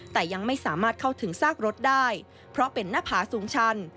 แต่ยังไม่สามารถเข้าถึงซากรถได้เพราะเป็นหน้าผาสูงชัน